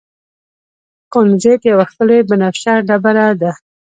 کونزیټ یوه ښکلې بنفشه ډبره ده.